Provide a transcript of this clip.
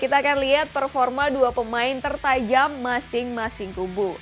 kita akan lihat performa dua pemain tertajam masing masing kubu